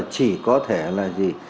chỉ có thể là gì